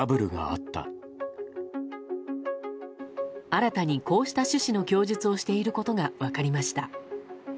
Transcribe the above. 新たにこうした趣旨の供述をしていることが分かりました。